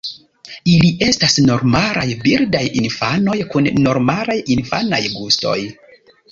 Ili estas normalaj birdaj infanoj kun normalaj infanaj gustoj.